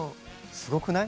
すごくない？